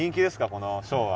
このショーは。